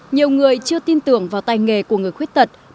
nhiều người chưa tin tưởng vào tay nghề của người khuyết tật